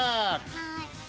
はい。